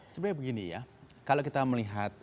sebenarnya begini ya kalau kita melihat